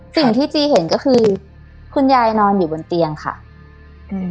จีเห็นก็คือคุณยายนอนอยู่บนเตียงค่ะอืม